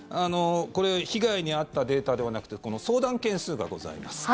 被害に遭ったデータではなくて、相談件数がございます。